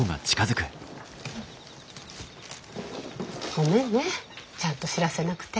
ごめんねちゃんと知らせなくて。